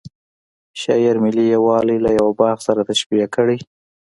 شاعر ملي یوالی له یوه باغ سره تشبه کړی.